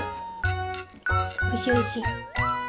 おいしいおいしい。